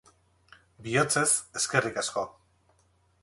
Bihotzez, eskerrik asko.